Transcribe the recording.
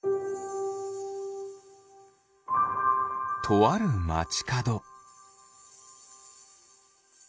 とあるまちかど。